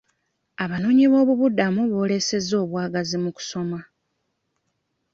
Abanoonyi b'obubuddamu boolesezza obwagazi mu kusoma.